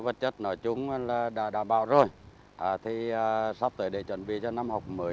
vật chất nói chung là đã đảm bảo rồi thì sắp tới để chuẩn bị cho năm học mới